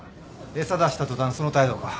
餌出した途端その態度か。